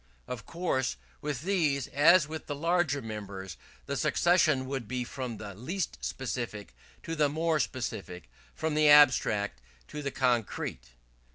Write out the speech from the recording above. Of course with these, as with the larger members, the succession should be from the less specific to the more specific from the abstract to the concrete.